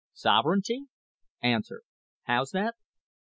Sovereignty? "A. How's that? "Q.